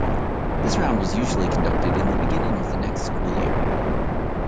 This round was usually conducted in the beginning of the next school year.